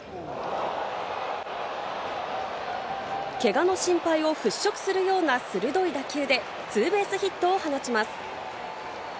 けがの心配を払拭するような鋭い打球でツーベースヒットを放ちます。